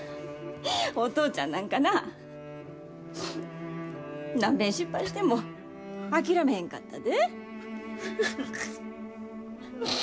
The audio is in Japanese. お父ちゃんなんかなあなんべん失敗しても諦めへんかったで。